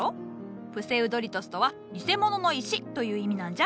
プセウドリトスとは「偽物の石」という意味なんじゃ。